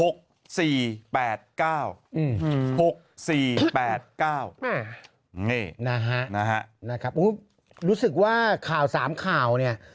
นี่นะฮะรู้สึกว่าข่าว๓ข่าวเนี่ย